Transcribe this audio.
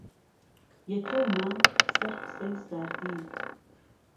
یکەومە سەر قسەی ساردی